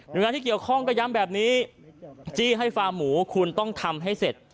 โดยงานที่เกี่ยวข้องก็ย้ำแบบนี้จี้ให้ฟาร์หมูคุณต้องทำให้เสร็จ